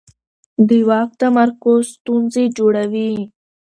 د واک تمرکز ستونزې جوړوي